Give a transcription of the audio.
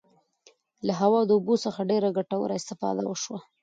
له هوا او اوبو څخه ډیره ګټوره استفاده وشوه.